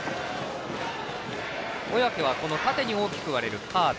小宅は縦に大きく割れるカーブ。